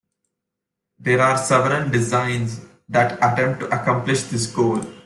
There are several designs that attempt to accomplish this goal.